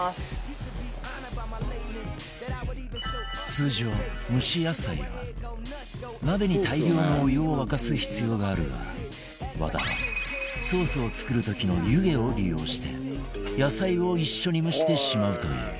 通常蒸し野菜は鍋に大量のお湯を沸かす必要があるが和田はソースを作る時の湯気を利用して野菜を一緒に蒸してしまうという